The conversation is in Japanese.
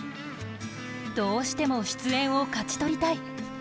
どうしても出演を勝ち取りたい。